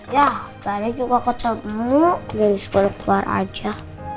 ya tadi juga ketemu biarin sekolah keluar aja